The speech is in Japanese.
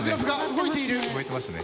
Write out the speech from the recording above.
動いてますね。